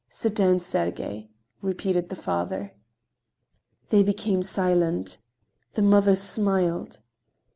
"Sit down, Sergey," repeated the father. They became silent. The mother smiled.